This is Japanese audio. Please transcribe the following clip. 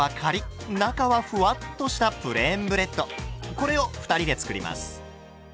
これを２人で作ります。